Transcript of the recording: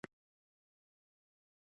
دا ټول انسانان د هومو جنس پورې تړلي وو.